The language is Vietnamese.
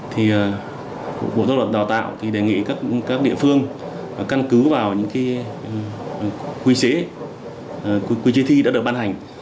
thì bộ thông luận đào tạo thì đề nghị các địa phương căn cứ vào những cái quy chế thi đã được ban hành